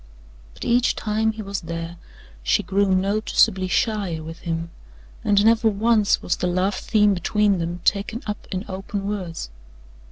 But each time he was there she grew noticeably shyer with him and never once was the love theme between them taken up in open words.